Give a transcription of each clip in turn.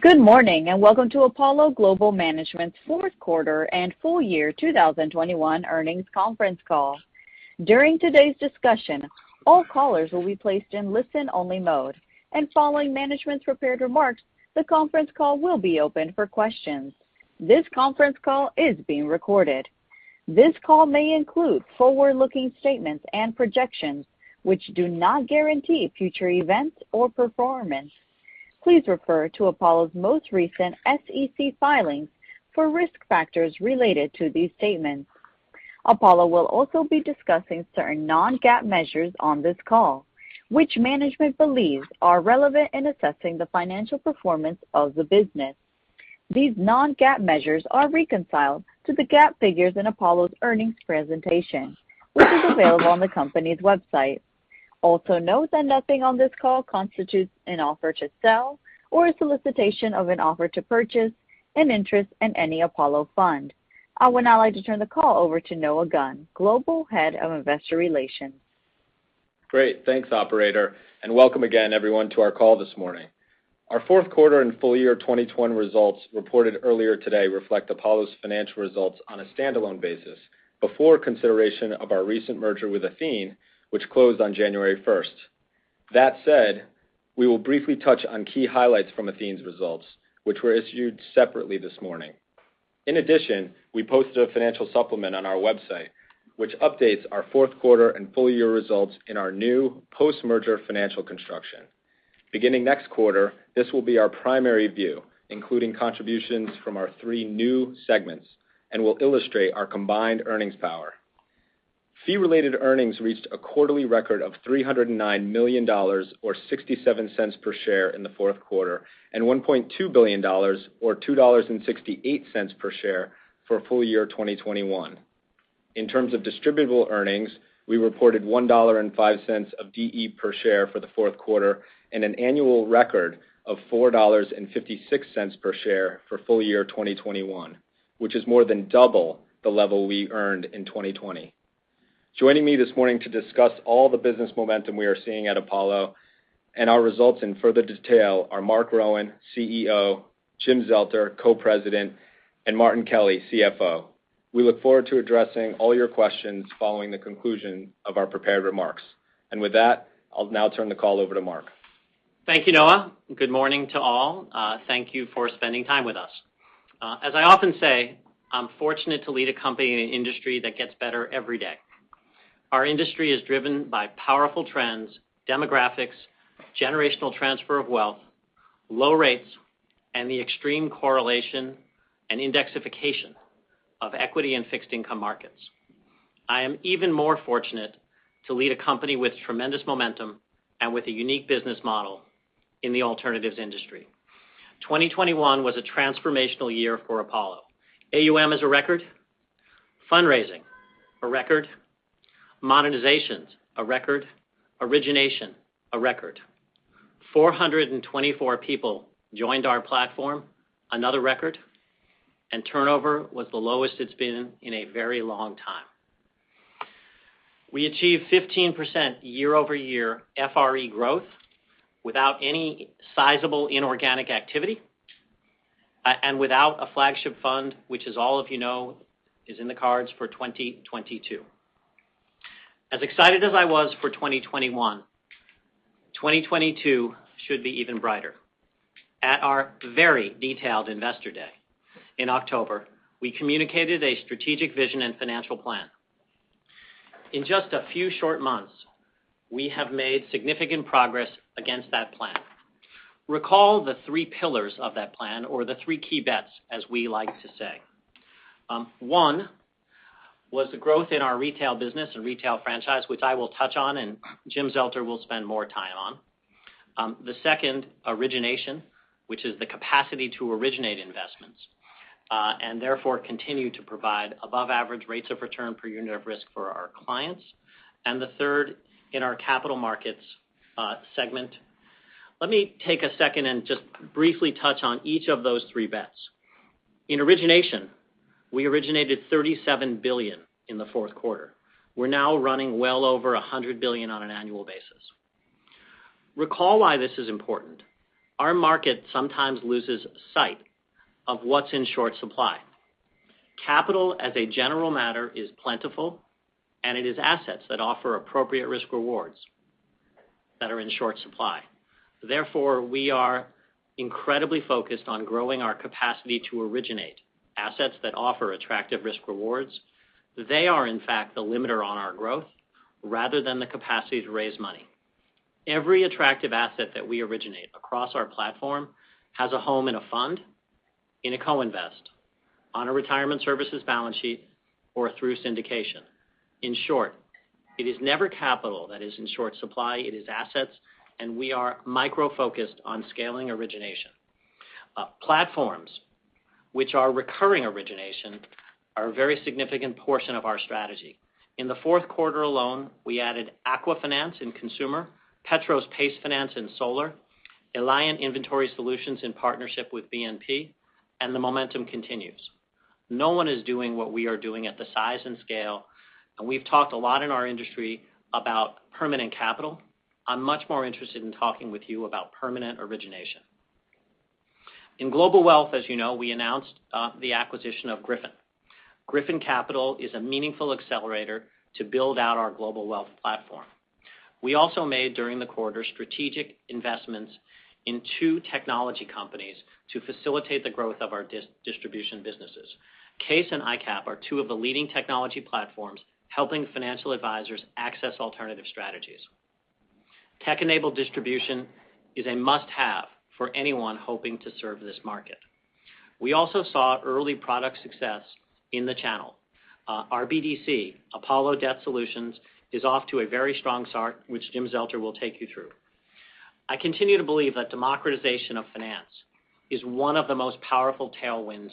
Good morning, and welcome to Apollo Global Management's fourth quarter and full year 2021 earnings conference call. During today's discussion, all callers will be placed in listen-only mode, and following management's prepared remarks, the conference call will be opened for questions. This conference call is being recorded. This call may include forward-looking statements and projections, which do not guarantee future events or performance. Please refer to Apollo's most recent SEC filings for risk factors related to these statements. Apollo will also be discussing certain non-GAAP measures on this call, which management believes are relevant in assessing the financial performance of the business. These non-GAAP measures are reconciled to the GAAP figures in Apollo's earnings presentation, which is available on the company's website. Also note that nothing on this call constitutes an offer to sell or a solicitation of an offer to purchase an interest in any Apollo fund. I would now like to turn the call over to Noah Gunn, Global Head of Investor Relations. Great. Thanks, operator, and welcome again, everyone, to our call this morning. Our fourth quarter and full year 2021 results reported earlier today reflect Apollo's financial results on a standalone basis before consideration of our recent merger with Athene, which closed on January 1. That said, we will briefly touch on key highlights from Athene's results, which were issued separately this morning. In addition, we posted a financial supplement on our website, which updates our fourth quarter and full year results in our new post-merger financial construction. Beginning next quarter, this will be our primary view, including contributions from our three new segments, and will illustrate our combined earnings power. Fee-related earnings reached a quarterly record of $309 million or $0.67 per share in the fourth quarter and $1.2 billion or $2.68 per share for full year 2021. In terms of distributable earnings, we reported $1.05 of DE per share for the fourth quarter and an annual record of $4.56 per share for full year 2021, which is more than double the level we earned in 2020. Joining me this morning to discuss all the business momentum we are seeing at Apollo and our results in further detail are Marc Rowan, CEO, Jim Zelter, Co-President, and Martin Kelly, CFO. We look forward to addressing all your questions following the conclusion of our prepared remarks. With that, I'll now turn the call over to Marc. Thank you, Noah. Good morning to all. Thank you for spending time with us. As I often say, I'm fortunate to lead a company in an industry that gets better every day. Our industry is driven by powerful trends, demographics, generational transfer of wealth, low rates, and the extreme correlation and indexification of equity and fixed income markets. I am even more fortunate to lead a company with tremendous momentum and with a unique business model in the alternatives industry. 2021 was a transformational year for Apollo. AUM is a record. Fundraising, a record. Monetizations, a record. Origination, a record. 424 people joined our platform, another record. Turnover was the lowest it's been in a very long time. We achieved 15% year-over-year FRE growth without any sizable inorganic activity, and without a flagship fund, which, as all of you know, is in the cards for 2022. As excited as I was for 2021, 2022 should be even brighter. At our very detailed Investor Day in October, we communicated a strategic vision and financial plan. In just a few short months, we have made significant progress against that plan. Recall the three pillars of that plan or the three key bets, as we like to say. One was the growth in our retail business and retail franchise, which I will touch on and Jim Zelter will spend more time on. The second, origination, which is the capacity to originate investments, and therefore, continue to provide above average rates of return per unit of risk for our clients. The third in our capital markets segment. Let me take a second and just briefly touch on each of those three bets. In origination, we originated $37 billion in the fourth quarter. We're now running well over $100 billion on an annual basis. Recall why this is important. Our market sometimes loses sight of what's in short supply. Capital, as a general matter, is plentiful, and it is assets that offer appropriate risk rewards that are in short supply. Therefore, we are incredibly focused on growing our capacity to originate assets that offer attractive risk rewards. They are, in fact, the limiter on our growth rather than the capacity to raise money. Every attractive asset that we originate across our platform has a home in a fund, in a co-invest, on a retirement services balance sheet, or through syndication. In short, it is never capital that is in short supply, it is assets, and we are micro-focused on scaling origination. Platforms, which are recurring origination, are a very significant portion of our strategy. In the fourth quarter alone, we added Aqua Finance in consumer, Petros PACE Finance in solar, Eliant Inventory Solutions in partnership with BNP, and the momentum continues. No one is doing what we are doing at the size and scale, and we've talked a lot in our industry about permanent capital. I'm much more interested in talking with you about permanent origination. In global wealth, as you know, we announced the acquisition of Griffin. Griffin Capital is a meaningful accelerator to build out our global wealth platform. We also made, during the quarter, strategic investments in two technology companies to facilitate the growth of our distribution businesses. CAIS and iCapital are two of the leading technology platforms helping financial advisors access alternative strategies. Tech-enabled distribution is a must-have for anyone hoping to serve this market. We also saw early product success in the channel. Our BDC, Apollo Debt Solutions, is off to a very strong start, which Jim Zelter will take you through. I continue to believe that democratization of finance is one of the most powerful tailwinds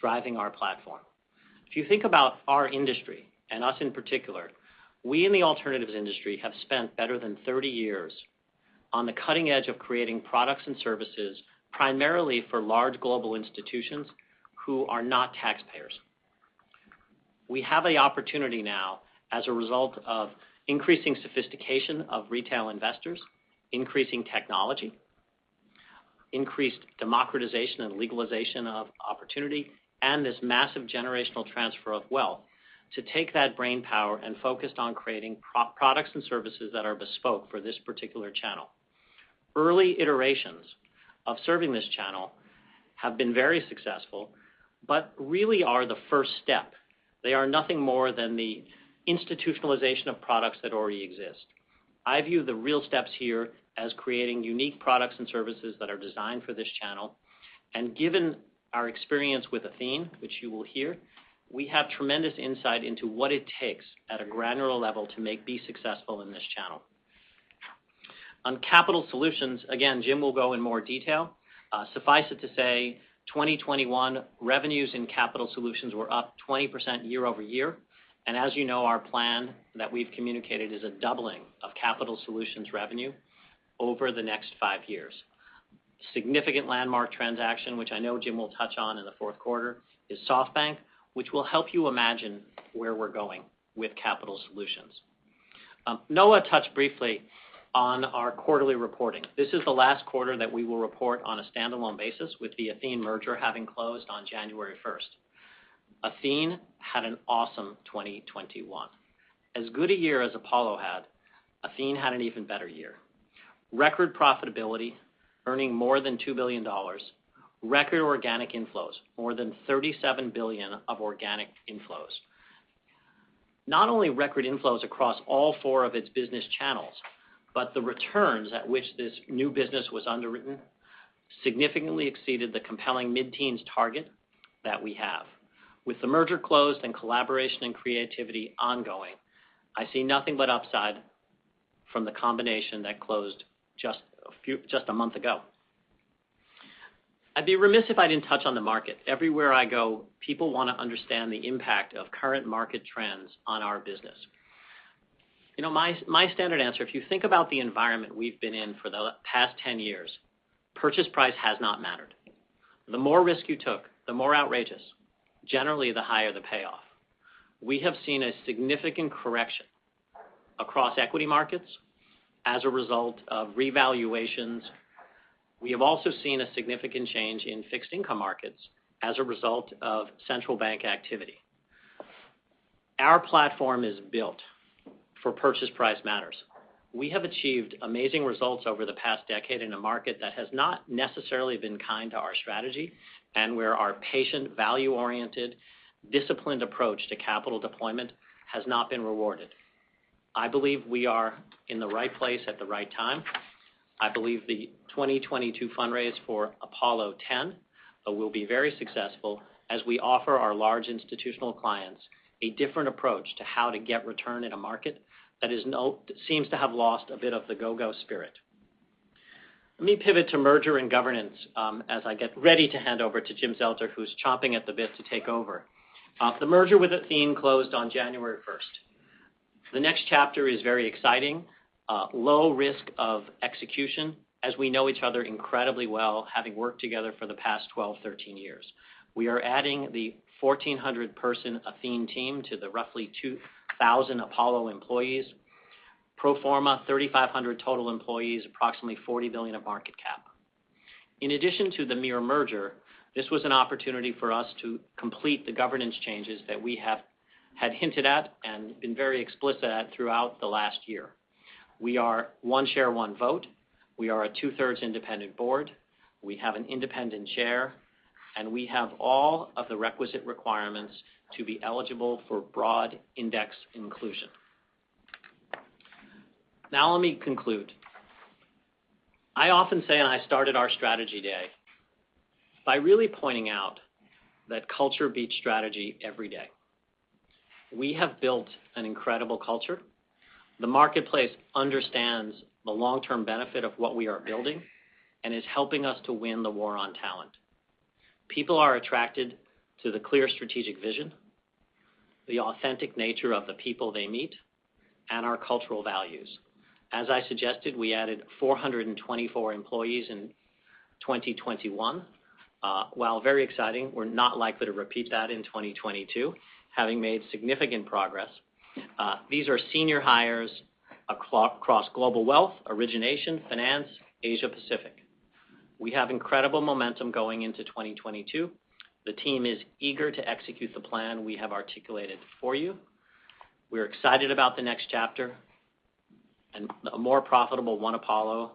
driving our platform. If you think about our industry, and us in particular, we in the alternatives industry have spent better than 30 years on the cutting edge of creating products and services primarily for large global institutions who are not taxpayers. We have a opportunity now as a result of increasing sophistication of retail investors, increasing technology, increased democratization and legalization of opportunity, and this massive generational transfer of wealth to take that brainpower and focus on creating pro-products and services that are bespoke for this particular channel. Early iterations of serving this channel have been very successful, but really are the first step. They are nothing more than the institutionalization of products that already exist. I view the real steps here as creating unique products and services that are designed for this channel. Given our experience with Athene, which you will hear, we have tremendous insight into what it takes at a granular level to make successful in this channel. On Capital Solutions, again, Jim will go in more detail. Suffice it to say, 2021 revenues in Capital Solutions were up 20% year-over-year. As you know, our plan that we've communicated is a doubling of Capital Solutions revenue over the next five years. Significant landmark transaction, which I know Jim will touch on in the fourth quarter, is SoftBank, which will help you imagine where we're going with Capital Solutions. Noah touched briefly on our quarterly reporting. This is the last quarter that we will report on a standalone basis with the Athene merger having closed on January 1. Athene had an awesome 2021. As good a year as Apollo had, Athene had an even better year. Record profitability, earning more than $2 billion, record organic inflows, more than $37 billion of organic inflows. Not only record inflows across all four of its business channels, but the returns at which this new business was underwritten significantly exceeded the compelling mid-teens target that we have. With the merger closed and collaboration and creativity ongoing, I see nothing but upside from the combination that closed just a month ago. I'd be remiss if I didn't touch on the market. Everywhere I go, people wanna understand the impact of current market trends on our business. You know, my standard answer, if you think about the environment we've been in for the past 10 years, purchase price has not mattered. The more risk you took, the more outrageous, generally the higher the payoff. We have seen a significant correction across equity markets as a result of revaluations. We have also seen a significant change in fixed income markets as a result of central bank activity. Our platform is built for purchase price matters. We have achieved amazing results over the past decade in a market that has not necessarily been kind to our strategy, and where our patient value-oriented, disciplined approach to capital deployment has not been rewarded. I believe we are in the right place at the right time. I believe the 2022 fundraise for Apollo 10 will be very successful as we offer our large institutional clients a different approach to how to get return in a market that seems to have lost a bit of the go-go spirit. Let me pivot to merger and governance as I get ready to hand over to Jim Zelter, who's chomping at the bit to take over. The merger with Athene closed on January 1st. The next chapter is very exciting, low risk of execution as we know each other incredibly well, having worked together for the past 12, 13 years. We are adding the 1,400-person Athene team to the roughly 2,000 Apollo employees. Pro forma, 3,500 total employees, approximately $40 billion of market cap. In addition to the mere merger, this was an opportunity for us to complete the governance changes that we had hinted at and been very explicit about throughout the last year. We are one share, one vote. We are a two-thirds independent board. We have an independent chair, and we have all of the requisite requirements to be eligible for broad index inclusion. Now let me conclude. I often say I started our strategy day by really pointing out that culture beats strategy every day. We have built an incredible culture. The marketplace understands the long-term benefit of what we are building and is helping us to win the war on talent. People are attracted to the clear strategic vision. The authentic nature of the people they meet and our cultural values. As I suggested, we added 424 employees in 2021. While very exciting, we're not likely to repeat that in 2022, having made significant progress. These are senior hires across Global Wealth, Origination, Finance, Asia Pacific. We have incredible momentum going into 2022. The team is eager to execute the plan we have articulated for you. We're excited about the next chapter and a more profitable One Apollo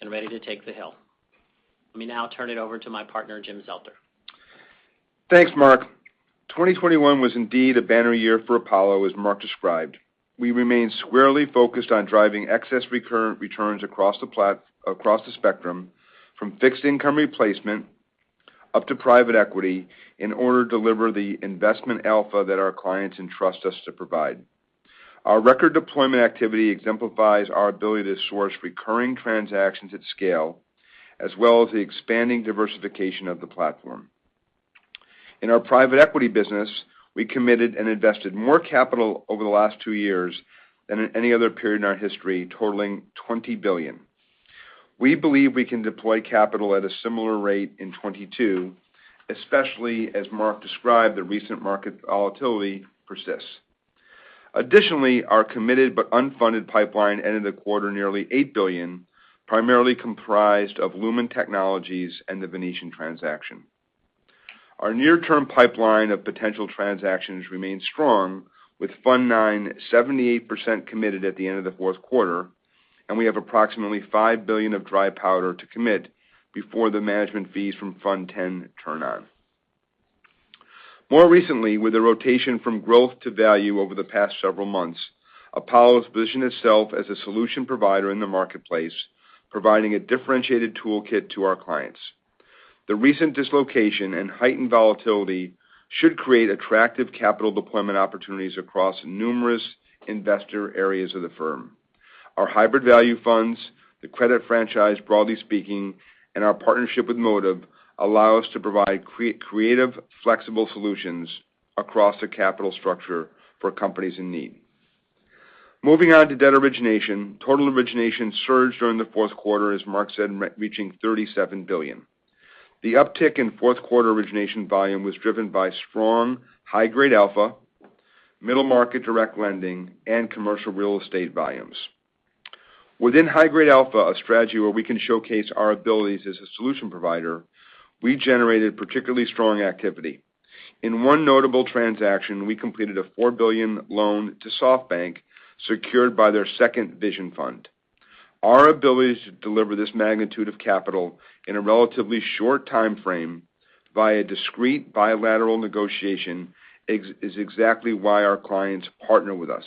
and ready to take the hill. Let me now turn it over to my partner, Jim Zelter. Thanks, Marc. 2021 was indeed a banner year for Apollo, as Marc described. We remain squarely focused on driving excess recurrent returns across the spectrum, from fixed income replacement up to private equity in order to deliver the investment alpha that our clients entrust us to provide. Our record deployment activity exemplifies our ability to source recurring transactions at scale, as well as the expanding diversification of the platform. In our private equity business, we committed and invested more capital over the last two years than in any other period in our history, totaling $20 billion. We believe we can deploy capital at a similar rate in 2022, especially, as Marc described, the recent market volatility persists. Additionally, our committed but unfunded pipeline ended the quarter nearly $8 billion, primarily comprised of Lumen Technologies and The Venetian transaction. Our near-term pipeline of potential transactions remains strong with Fund IX 78% committed at the end of the fourth quarter, and we have approximately $5 billion of dry powder to commit before the management fees from Fund X turn on. More recently, with the rotation from growth to value over the past several months, Apollo has positioned itself as a solution provider in the marketplace, providing a differentiated toolkit to our clients. The recent dislocation and heightened volatility should create attractive capital deployment opportunities across numerous investor areas of the firm. Our hybrid value funds, the credit franchise, broadly speaking, and our partnership with Motive allow us to provide creative, flexible solutions across the capital structure for companies in need. Moving on to debt origination. Total origination surged during the fourth quarter, as Marc said, reaching $37 billion. The uptick in fourth quarter origination volume was driven by strong high-grade alpha, middle market direct lending, and commercial real estate volumes. Within high-grade alpha, a strategy where we can showcase our abilities as a solution provider, we generated particularly strong activity. In one notable transaction, we completed a $4 billion loan to SoftBank secured by their Vision Fund 2. Our ability to deliver this magnitude of capital in a relatively short time frame via discreet bilateral negotiation is exactly why our clients partner with us.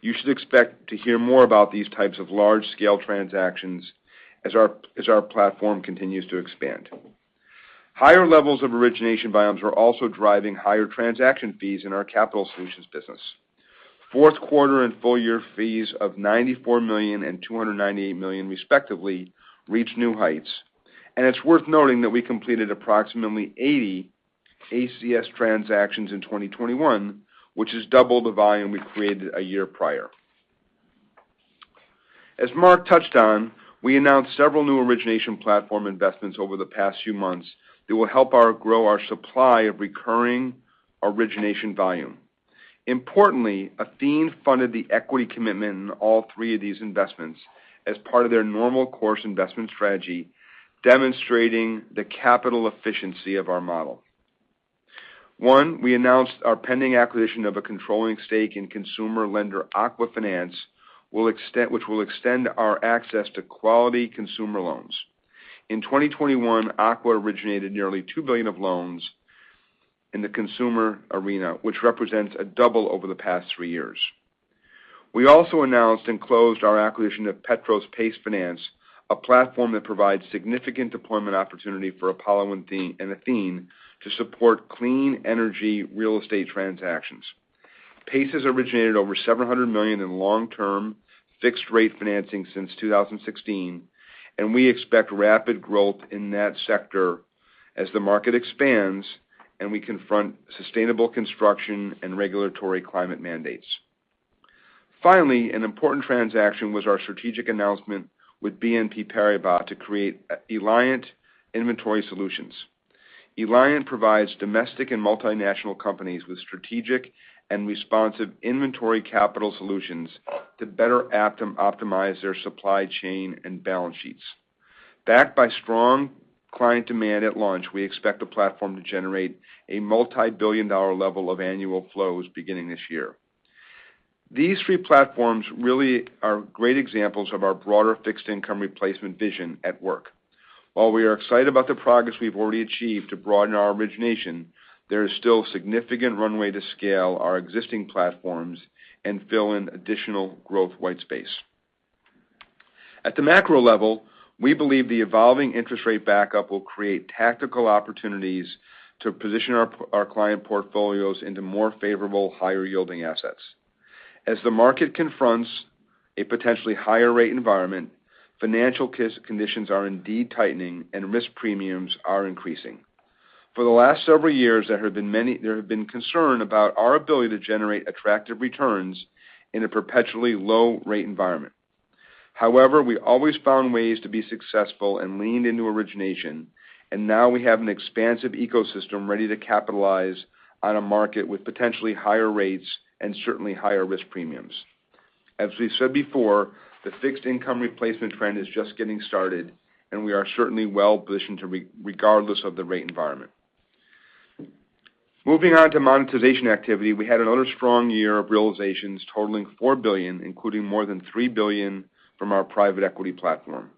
You should expect to hear more about these types of large-scale transactions as our platform continues to expand. Higher levels of origination volumes are also driving higher transaction fees in our capital solutions business. Fourth quarter and full year fees of $94 million and $298 million respectively reached new heights. It's worth noting that we completed approximately 80 ACS transactions in 2021, which is double the volume we created a year prior. As Marc touched on, we announced several new origination platform investments over the past few months that will help grow our supply of recurring origination volume. Importantly, Athene funded the equity commitment in all three of these investments as part of their normal course investment strategy, demonstrating the capital efficiency of our model. One, we announced our pending acquisition of a controlling stake in consumer lender Aqua Finance, which will extend our access to quality consumer loans. In 2021, Aqua originated nearly $2 billion of loans in the consumer arena, which represents a double over the past three years. We also announced and closed our acquisition of Petros PACE Finance, a platform that provides significant deployment opportunity for Apollo and Athene, and Athene to support clean energy real estate transactions. PACE has originated over $700 million in long-term fixed rate financing since 2016, and we expect rapid growth in that sector as the market expands and we confront sustainable construction and regulatory climate mandates. Finally, an important transaction was our strategic announcement with BNP Paribas to create Eliant Inventory Solutions. Eliant provides domestic and multinational companies with strategic and responsive inventory capital solutions to better optimize their supply chain and balance sheets. Backed by strong client demand at launch, we expect the platform to generate a multi-billion-dollar level of annual flows beginning this year. These three platforms really are great examples of our broader fixed income replacement vision at work. While we are excited about the progress we've already achieved to broaden our origination, there is still significant runway to scale our existing platforms and fill in additional growth white space. At the macro level, we believe the evolving interest rate backup will create tactical opportunities to position our client portfolios into more favorable, higher-yielding assets. As the market confronts a potentially higher rate environment, financial conditions are indeed tightening, and risk premiums are increasing. For the last several years, there have been concerns about our ability to generate attractive returns in a perpetually low rate environment. However, we always found ways to be successful and leaned into origination, and now we have an expansive ecosystem ready to capitalize on a market with potentially higher rates and certainly higher risk premiums. As we said before, the fixed income replacement trend is just getting started, and we are certainly well-positioned regardless of the rate environment. Moving on to monetization activity, we had another strong year of realizations totaling $4 billion, including more than $3 billion from our private equity platform.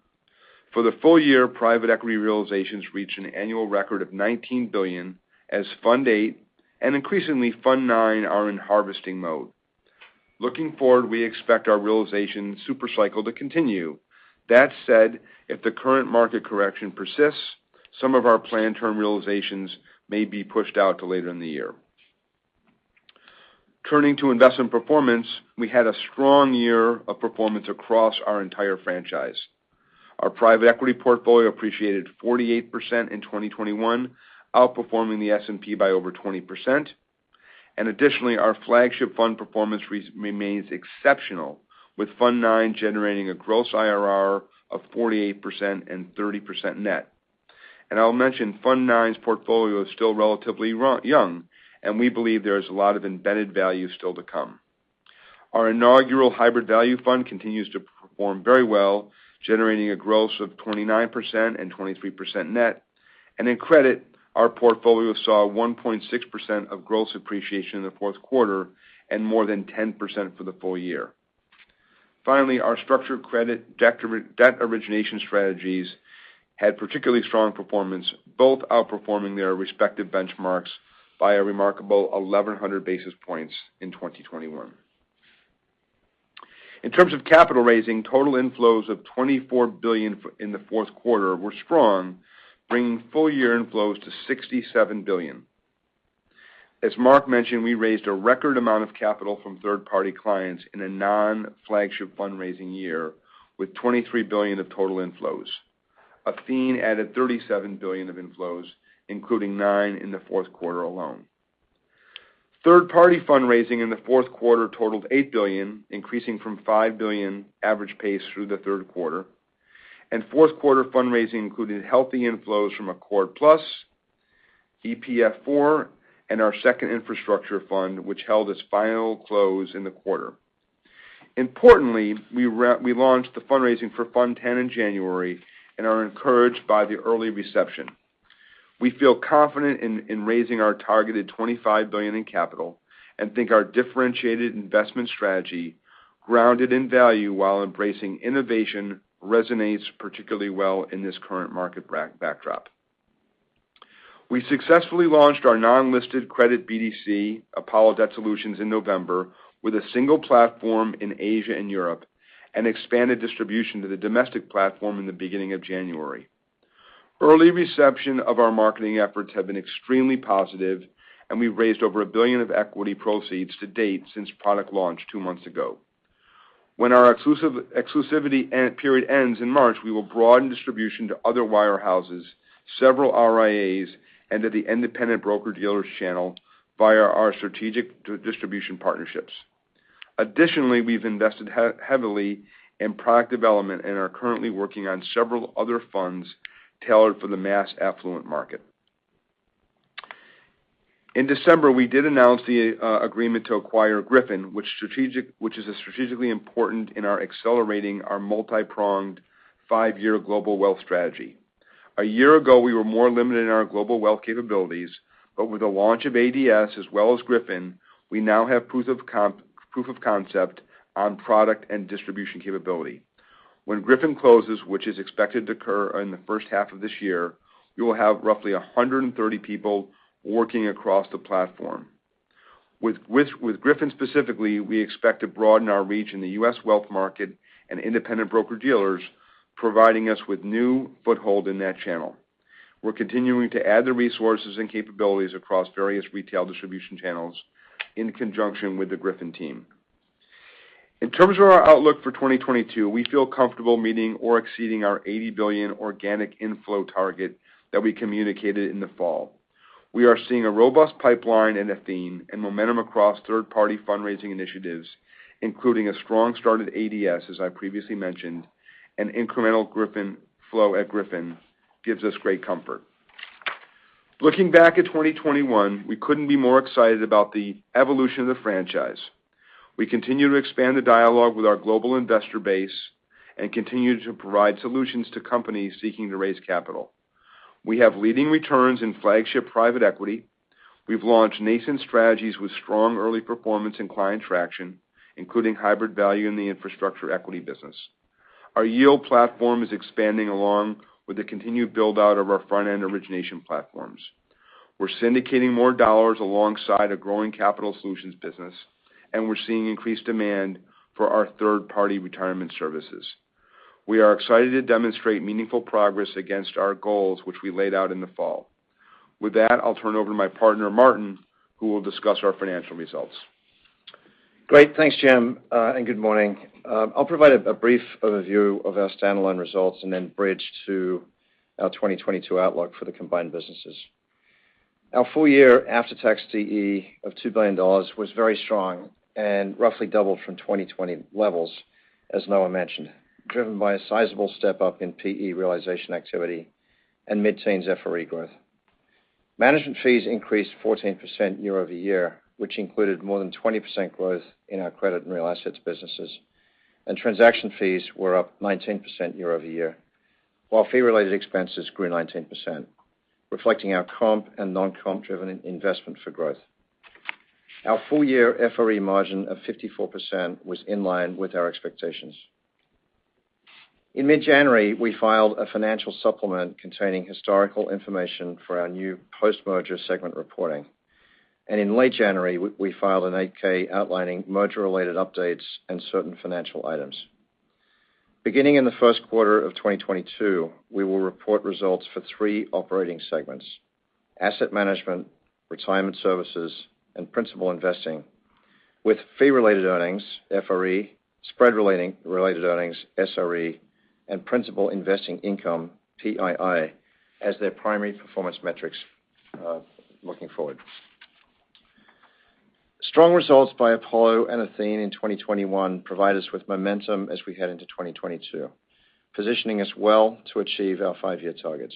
For the full year, private equity realizations reached an annual record of $19 billion as Fund VIII and increasingly Fund IX are in harvesting mode. Looking forward, we expect our realization super cycle to continue. That said, if the current market correction persists, some of our planned term realizations may be pushed out to later in the year. Turning to investment performance, we had a strong year of performance across our entire franchise. Our private equity portfolio appreciated 48% in 2021, outperforming the S&P by over 20%. Additionally, our flagship fund performance remains exceptional, with Fund IX generating a gross IRR of 48% and 30% net. I'll mention Fund IX's portfolio is still relatively young, and we believe there is a lot of embedded value still to come. Our inaugural hybrid value fund continues to perform very well, generating a gross of 29% and 23% net. In credit, our portfolio saw 1.6% of gross appreciation in the fourth quarter and more than 10% for the full year. Finally, our structured credit debt origination strategies had particularly strong performance, both outperforming their respective benchmarks by a remarkable 1,100 basis points in 2021. In terms of capital raising, total inflows of $24 billion in the fourth quarter were strong, bringing full year inflows to $67 billion. As Marc mentioned, we raised a record amount of capital from third-party clients in a non-flagship fundraising year with $23 billion of total inflows. Athene added $37 billion of inflows, including $9 billion in the fourth quarter alone. Third-party fundraising in the fourth quarter totaled $8 billion, increasing from $5 billion average pace through the third quarter, and fourth quarter fundraising included healthy inflows from Accord+, EPF IV, and our second infrastructure fund, which held its final close in the quarter. Importantly, we launched the fundraising for Fund X in January and are encouraged by the early reception. We feel confident in raising our targeted $25 billion in capital and think our differentiated investment strategy, grounded in value while embracing innovation, resonates particularly well in this current market backdrop. We successfully launched our non-listed credit BDC, Apollo Debt Solutions, in November with a single platform in Asia and Europe, and expanded distribution to the domestic platform in the beginning of January. Early reception of our marketing efforts have been extremely positive, and we've raised over $1 billion of equity proceeds to date since product launch two months ago. When our exclusivity period ends in March, we will broaden distribution to other wirehouses, several RIAs, and to the independent broker-dealers channel via our strategic distribution partnerships. Additionally, we've invested heavily in product development and are currently working on several other funds tailored for the mass affluent market. In December, we did announce the agreement to acquire Griffin, which is a strategically important in accelerating our multipronged five-year global wealth strategy. A year ago, we were more limited in our global wealth capabilities, but with the launch of ADS as well as Griffin, we now have proof of concept on product and distribution capability. When Griffin closes, which is expected to occur in the first half of this year, we will have roughly 130 people working across the platform. With Griffin specifically, we expect to broaden our reach in the U.S. wealth market and independent broker-dealers, providing us with new foothold in that channel. We're continuing to add the resources and capabilities across various retail distribution channels in conjunction with the Griffin team. In terms of our outlook for 2022, we feel comfortable meeting or exceeding our $80 billion organic inflow target that we communicated in the fall. We are seeing a robust pipeline in Athene and momentum across third-party fundraising initiatives, including a strong start at ADS, as I previously mentioned. An incremental Griffin flow at Griffin gives us great comfort. Looking back at 2021, we couldn't be more excited about the evolution of the franchise. We continue to expand the dialogue with our global investor base and continue to provide solutions to companies seeking to raise capital. We have leading returns in flagship private equity. We've launched nascent strategies with strong early performance and client traction, including hybrid value in the infrastructure equity business. Our yield platform is expanding along with the continued build-out of our front-end origination platforms. We're syndicating more dollars alongside a growing capital solutions business, and we're seeing increased demand for our third-party retirement services. We are excited to demonstrate meaningful progress against our goals, which we laid out in the fall. With that, I'll turn over to my partner, Martin, who will discuss our financial results. Great. Thanks, Jim, and good morning. I'll provide a brief overview of our standalone results and then bridge to our 2022 outlook for the combined businesses. Our full year after-tax TE of $2 billion was very strong and roughly doubled from 2020 levels, as Noah mentioned, driven by a sizable step-up in PE realization activity and mid-teens FRE growth. Management fees increased 14% year-over-year, which included more than 20% growth in our credit and real assets businesses, and transaction fees were up 19% year-over-year, while fee-related expenses grew 19%, reflecting our comp and non-comp driven investment for growth. Our full year FRE margin of 54% was in line with our expectations. In mid-January, we filed a financial supplement containing historical information for our new post-merger segment reporting. In late January, we filed an 8-K outlining merger-related updates and certain financial items. Beginning in the first quarter of 2022, we will report results for three operating segments: asset management, retirement services, and principal investing, with fee-related earnings, FRE, spread-related earnings, SRE, and principal investing income, PII, as their primary performance metrics, looking forward. Strong results by Apollo and Athene in 2021 provide us with momentum as we head into 2022, positioning us well to achieve our five-year targets.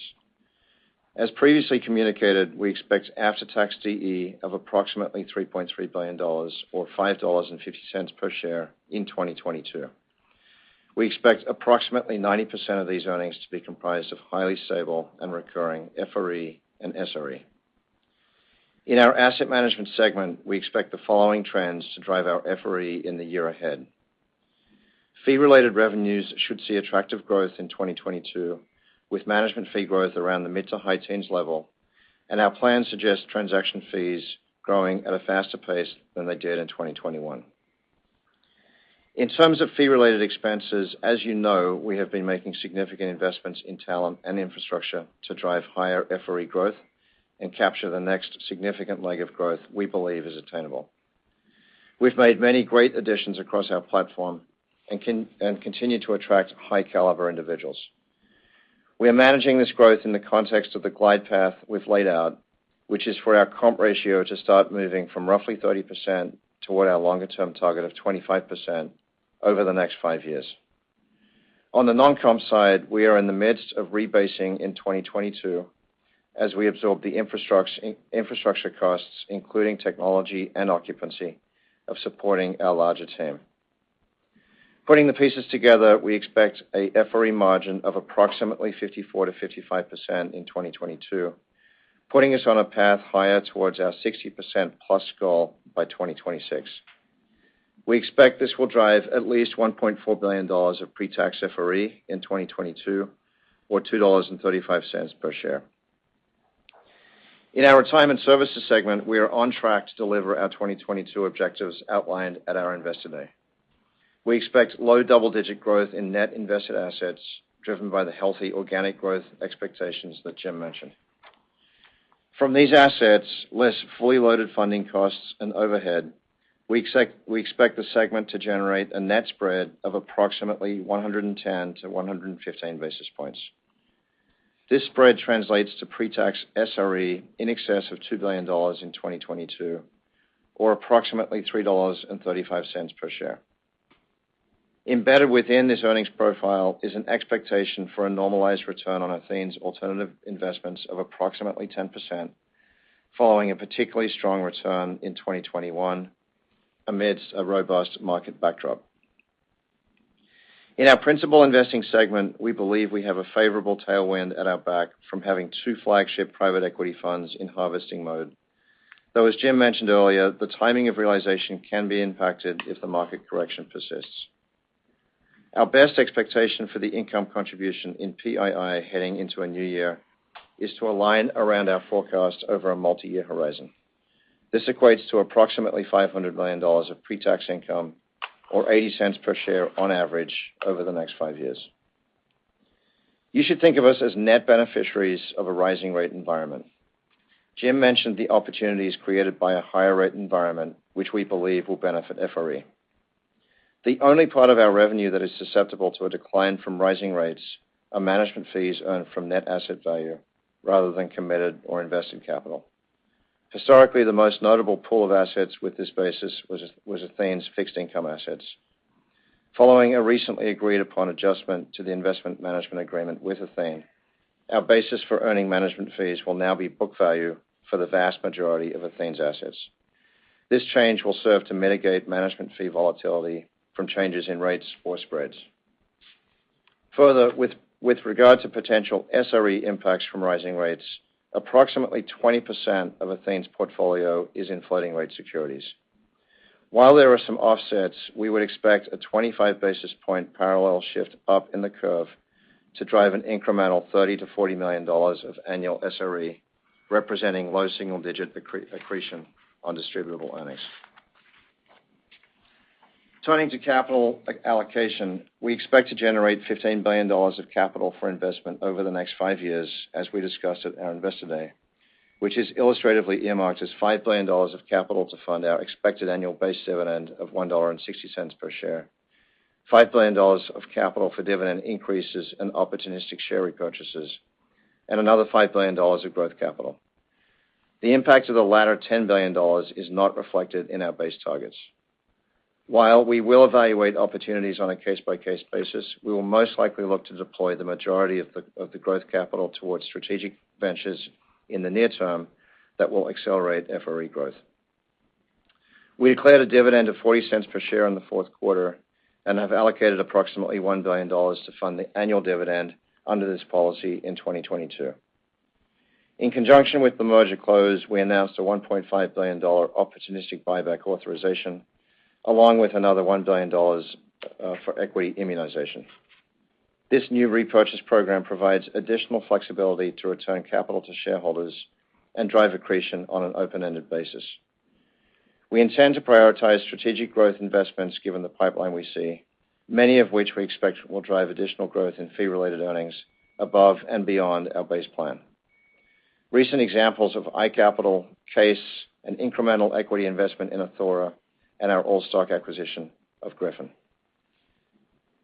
As previously communicated, we expect after-tax DE of approximately $3.3 billion or $5.50 per share in 2022. We expect approximately 90% of these earnings to be comprised of highly stable and recurring FRE and SRE. In our asset management segment, we expect the following trends to drive our FRE in the year ahead. Fee-related revenues should see attractive growth in 2022 with management fee growth around the mid- to high-teens level, and our plans suggest transaction fees growing at a faster pace than they did in 2021. In terms of fee-related expenses, as you know, we have been making significant investments in talent and infrastructure to drive higher FRE growth and capture the next significant leg of growth we believe is attainable. We've made many great additions across our platform and continue to attract high caliber individuals. We are managing this growth in the context of the glide path we've laid out, which is for our comp ratio to start moving from roughly 30% toward our longer-term target of 25% over the next five years. On the non-comp side, we are in the midst of rebasing in 2022 as we absorb the infrastructure costs, including technology and occupancy, of supporting our larger team. Putting the pieces together, we expect a FRE margin of approximately 54%-55% in 2022, putting us on a path higher towards our 60%+ goal by 2026. We expect this will drive at least $1.4 billion of pre-tax FRE in 2022 or $2.35 per share. In our retirement services segment, we are on track to deliver our 2022 objectives outlined at our Investor Day. We expect low double-digit growth in net invested assets driven by the healthy organic growth expectations that Jim mentioned. From these assets, less fully loaded funding costs and overhead, we expect the segment to generate a net spread of approximately 110-115 basis points. This spread translates to pre-tax SRE in excess of $2 billion in 2022 or approximately $3.35 per share. Embedded within this earnings profile is an expectation for a normalized return on Athene's alternative investments of approximately 10% following a particularly strong return in 2021 amidst a robust market backdrop. In our Principal Investing segment, we believe we have a favorable tailwind at our back from having two flagship private equity funds in harvesting mode. Though as Jim mentioned earlier, the timing of realization can be impacted if the market correction persists. Our best expectation for the income contribution in PII heading into a new year is to align around our forecast over a multi-year horizon. This equates to approximately $500 million of pre-tax income or $0.80 per share on average over the next five years. You should think of us as net beneficiaries of a rising rate environment. Jim mentioned the opportunities created by a higher rate environment, which we believe will benefit FRE. The only part of our revenue that is susceptible to a decline from rising rates are management fees earned from net asset value rather than committed or invested capital. Historically, the most notable pool of assets with this basis was Athene's fixed income assets. Following a recently agreed upon adjustment to the investment management agreement with Athene, our basis for earning management fees will now be book value for the vast majority of Athene's assets. This change will serve to mitigate management fee volatility from changes in rates or spreads. Further, with regard to potential SRE impacts from rising rates, approximately 20% of Athene's portfolio is in floating rate securities. While there are some offsets, we would expect a 25 basis point parallel shift up in the curve to drive an incremental $30 million-$40 million of annual SRE, representing low single-digit accretion on distributable earnings. Turning to capital allocation, we expect to generate $15 billion of capital for investment over the next five years, as we discussed at our Investor Day, which is illustratively earmarked as $5 billion of capital to fund our expected annual base dividend of $1.60 per share. $5 billion of capital for dividend increases and opportunistic share repurchases, and another $5 billion of growth capital. The impact of the latter $10 billion is not reflected in our base targets. While we will evaluate opportunities on a case-by-case basis, we will most likely look to deploy the majority of the growth capital towards strategic ventures in the near term that will accelerate FRE growth. We declared a dividend of $0.40per share in the fourth quarter and have allocated approximately $1 billion to fund the annual dividend under this policy in 2022. In conjunction with the merger close, we announced a $1.5 billion opportunistic buyback authorization, along with another $1 billion for equity immunization. This new repurchase program provides additional flexibility to return capital to shareholders and drive accretion on an open-ended basis. We intend to prioritize strategic growth investments given the pipeline we see, many of which we expect will drive additional growth in fee-related earnings above and beyond our base plan. Recent examples of iCapital, Chase, and incremental equity investment in Athora and our all-stock acquisition of Griffin.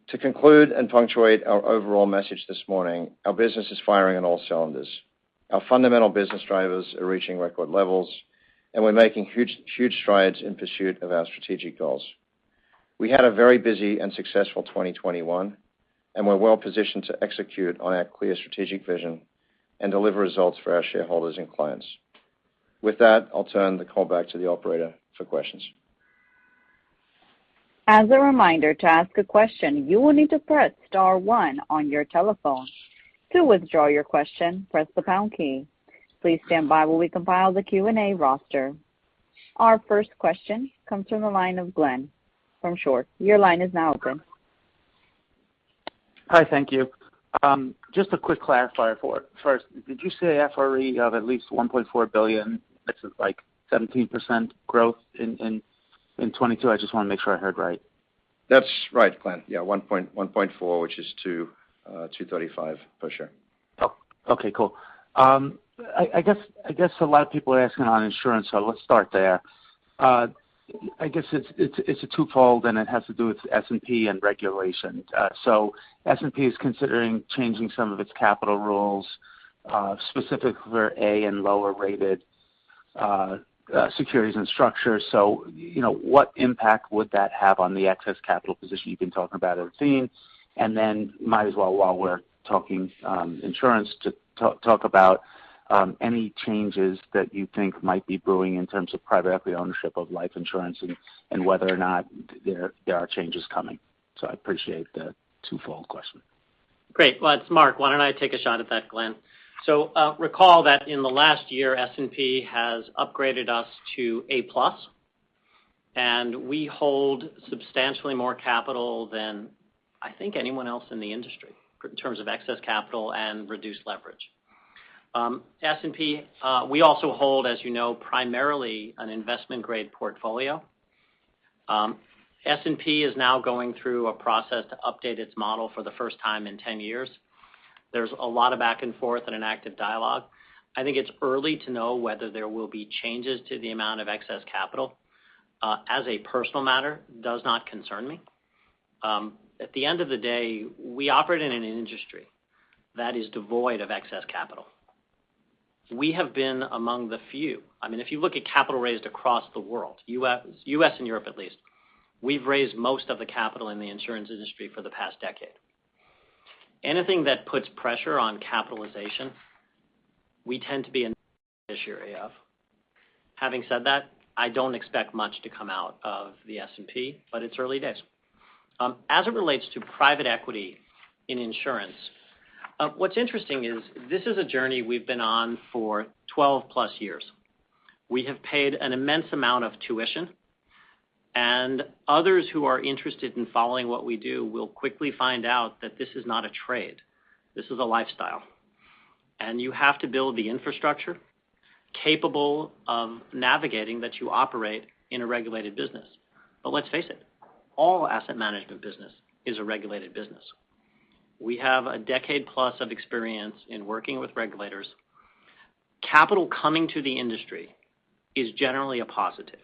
To conclude and punctuate our overall message this morning, our business is firing on all cylinders. Our fundamental business drivers are reaching record levels, and we're making huge strides in pursuit of our strategic goals. We had a very busy and successful 2021, and we're well-positioned to execute on our clear strategic vision and deliver results for our shareholders and clients. With that, I'll turn the call back to the operator for questions. As a reminder, to ask a question, you will need to press star one on your telephone. To withdraw your question, press the pound key. Please stand by while we compile the Q&A roster. Our first question comes from the line of Glenn Schorr. Your line is now open. Hi. Thank you. Just a quick clarifier for first, did you say FRE of at least $1.4 billion? This is like 17% growth in 2022? I just wanna make sure I heard right. That's right, Glenn. Yeah. 1.1.4, which is $2.35 per share. Oh, okay. Cool. I guess a lot of people are asking on insurance, so let's start there. I guess it's a twofold, and it has to do with S&P and regulation. S&P is considering changing some of its capital rules, specifically for A and lower rated securities and structures. You know, what impact would that have on the excess capital position you've been talking about and seeing? Then might as well, while we're talking insurance, to talk about any changes that you think might be brewing in terms of private equity ownership of life insurance and whether or not there are changes coming. I appreciate the twofold question. Great. Well, it's Marc. Why don't I take a shot at that, Glenn? Recall that in the last year, S&P has upgraded us to A+, and we hold substantially more capital than I think anyone else in the industry in terms of excess capital and reduced leverage. S&P, we also hold, as you know, primarily an investment-grade portfolio. S&P is now going through a process to update its model for the first time in 10 years. There's a lot of back and forth and an active dialogue. I think it's early to know whether there will be changes to the amount of excess capital, as a personal matter, does not concern me. At the end of the day, we operate in an industry that is devoid of excess capital. We have been among the few. I mean, if you look at capital raised across the world, U.S. and Europe at least, we've raised most of the capital in the insurance industry for the past decade. Anything that puts pressure on capitalization, we tend to be ahead of. Having said that, I don't expect much to come out of the S&P, but it's early days. As it relates to private equity in insurance, what's interesting is this is a journey we've been on for 12+ years. We have paid an immense amount of tuition, and others who are interested in following what we do will quickly find out that this is not a trade, this is a lifestyle. You have to build the infrastructure capable of navigating that you operate in a regulated business. Let's face it, all asset management business is a regulated business. We have a decade plus of experience in working with regulators. Capital coming to the industry is generally a positive.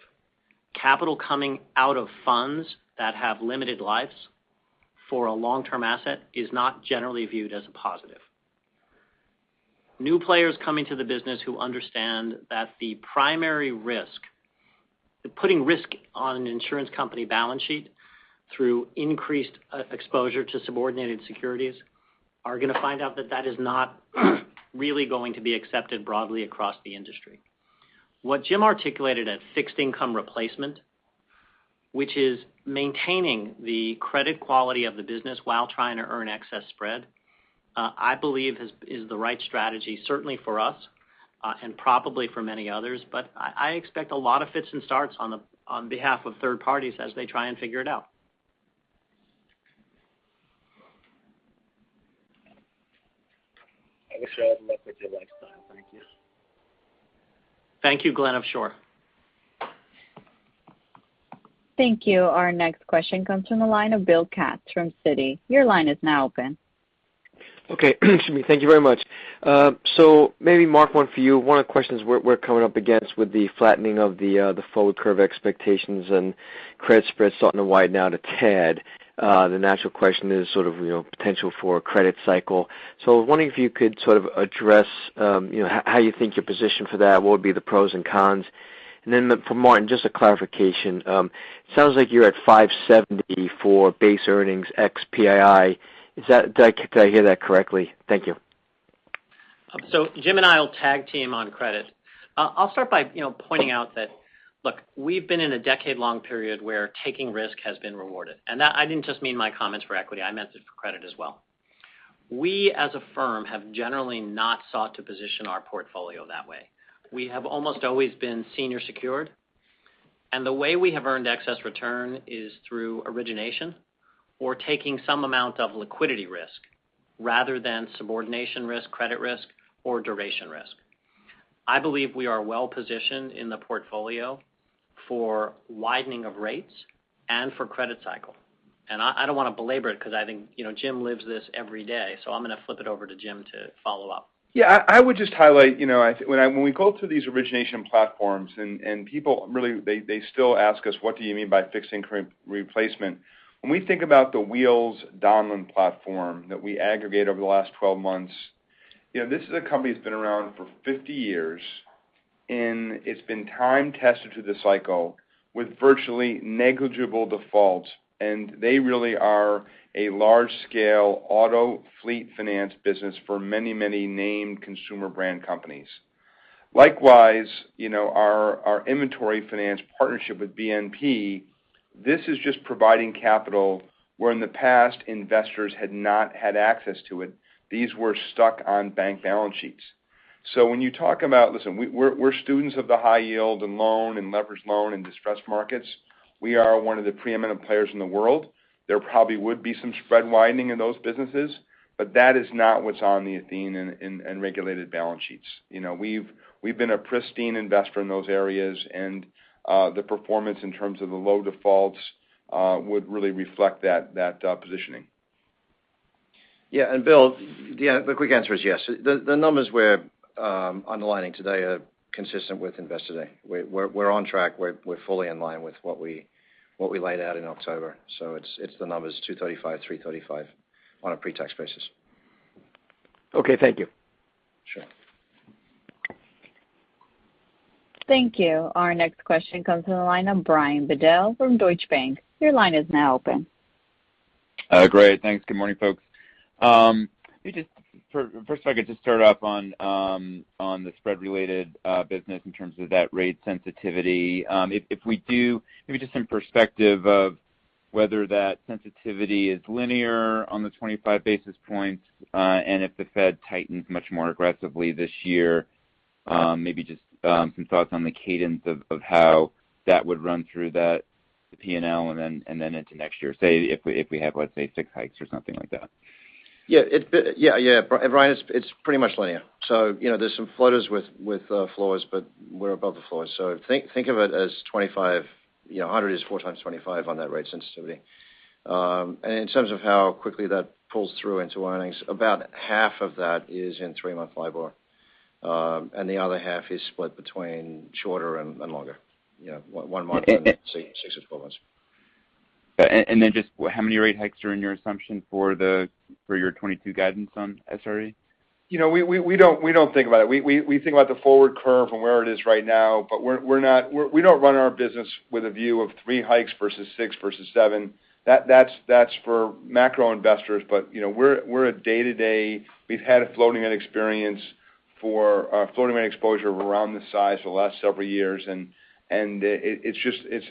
Capital coming out of funds that have limited lives for a long-term asset is not generally viewed as a positive. New players coming to the business who understand that the primary risk, putting risk on an insurance company balance sheet through increased exposure to subordinated securities, are gonna find out that that is not really going to be accepted broadly across the industry. What Jim articulated as fixed income replacement, which is maintaining the credit quality of the business while trying to earn excess spread, I believe is the right strategy certainly for us, and probably for many others. I expect a lot of fits and starts on behalf of third parties as they try and figure it out. I wish you all the luck with your lifestyle. Thank you. Thank you, Glenn, I'm sure. Thank you. Our next question comes from the line of Bill Katz from Citi. Your line is now open. Okay. Excuse me. Thank you very much. Maybe, Marc, one for you. One of the questions we're coming up against with the flattening of the forward curve expectations and credit spreads starting to widen out a Tad, the natural question is sort of, you know, potential for a credit cycle. Wondering if you could sort of address, you know, how you think your position for that, what would be the pros and cons. Then for Martin, just a clarification. Sounds like you're at $570 for base earnings ex PII. Is that? Did I hear that correctly? Thank you. Jim and I will tag team on credit. I'll start by, you know, pointing out that, look, we've been in a decade-long period where taking risk has been rewarded. That I didn't just mean my comments for equity, I meant it for credit as well. We, as a firm, have generally not sought to position our portfolio that way. We have almost always been senior secured, and the way we have earned excess return is through origination or taking some amount of liquidity risk rather than subordination risk, credit risk, or duration risk. I believe we are well positioned in the portfolio for widening of rates and for credit cycle. I don't wanna belabor it because I think, you know, Jim lives this every day, so I'm gonna flip it over to Jim to follow up. Yeah. I would just highlight, you know, when we go through these origination platforms and people really, they still ask us, "What do you mean by fixed income replacement?" When we think about the Wheels Donlen platform that we aggregate over the last 12 months, you know, this is a company that's been around for 50 years, and it's been time tested through the cycle with virtually negligible defaults, and they really are a large scale auto fleet finance business for many, many named consumer brand companies. Likewise, you know, our inventory finance partnership with BNP, this is just providing capital where in the past investors had not had access to it. These were stuck on bank balance sheets. When you talk about, listen, we're students of the high yield and loan and leveraged loan and distressed markets. We are one of the preeminent players in the world. There probably would be some spread widening in those businesses, but that is not what's on the Athene and regulated balance sheets. You know, we've been a pristine investor in those areas, and the performance in terms of the low defaults would really reflect that positioning. Yeah. Bill, yeah, the quick answer is yes. The numbers we're underlining today are consistent with Investor Day. We're on track. We're fully in line with what we laid out in October. It's the numbers $235, $335 on a pre-tax basis. Okay, thank you. Sure. Thank you. Our next question comes from the line of Brian Bedell from Deutsche Bank. Your line is now open. Great. Thanks. Good morning, folks. Let me just first if I could just start off on the spread related business in terms of that rate sensitivity. If we do maybe just some perspective of whether that sensitivity is linear on the 25 basis points, and if the Fed tightens much more aggressively this year, maybe just some thoughts on the cadence of how that would run through that, the PNL and then into next year, say if we have, let's say, six hikes or something like that. Brian, it's pretty much linear. You know, there's some floaters with floors, but we're above the floor. Think of it as 25, you know, 100 is 4x25 on that rate sensitivity. In terms of how quickly that pulls through into earnings, about half of that is in three-month LIBOR. The other half is split between shorter and longer. You know, one month and six to 12 months. Just how many rate hikes are in your assumption for your 2022 guidance on SRE? You know, we don't think about it. We think about the forward curve and where it is right now, but we don't run our business with a view of three hikes versus six versus seven. That's for macro investors. You know, we're a day-to-day. We've had a floating rate exposure of around this size for the last several years. It's just as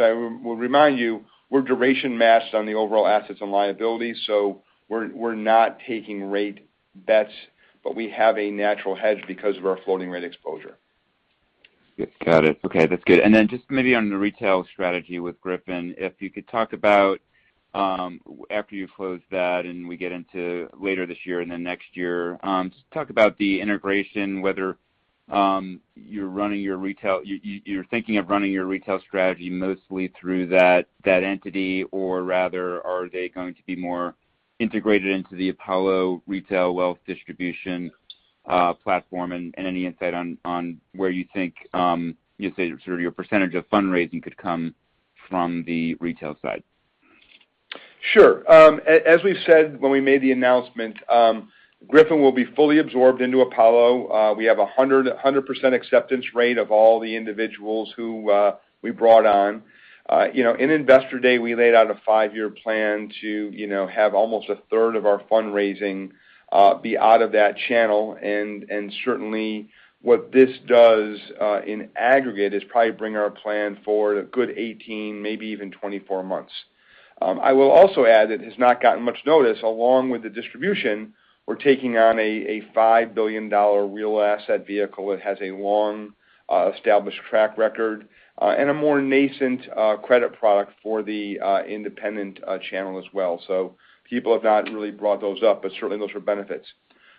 I remind you, we're duration matched on the overall assets and liabilities, so we're not taking rate bets, but we have a natural hedge because of our floating rate exposure. Yes. Got it. Okay, that's good. Just maybe on the retail strategy with Griffin, if you could talk about after you close that and we get into later this year and then next year, just talk about the integration, whether you're thinking of running your retail strategy mostly through that entity, or rather, are they going to be more integrated into the Apollo retail wealth distribution platform? Any insight on where you think you say sort of your percentage of fundraising could come from the retail side. Sure. As we've said when we made the announcement, Griffin will be fully absorbed into Apollo. We have 100% acceptance rate of all the individuals who we brought on. You know, in Investor Day, we laid out a five-year plan to, you know, have almost 1/3 of our fundraising be out of that channel. Certainly what this does in aggregate is probably bring our plan forward a good 18, maybe even 24 months. I will also add, it has not gotten much notice, along with the distribution, we're taking on a $5 billion real asset vehicle. It has a long established track record and a more nascent credit product for the independent channel as well. People have not really brought those up, but certainly those are benefits.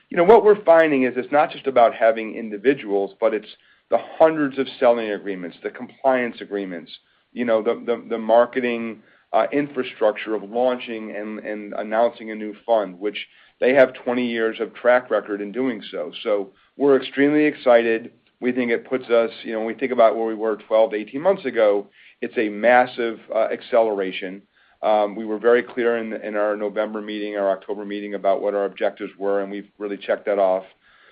You know, what we're finding is it's not just about having individuals, but it's the hundreds of selling agreements, the compliance agreements, you know, the marketing infrastructure of launching and announcing a new fund, which they have 20 years of track record in doing so. We're extremely excited. We think it puts us. You know, when we think about where we were 12-18 months ago, it's a massive acceleration. We were very clear in our November meeting or October meeting about what our objectives were, and we've really checked that off.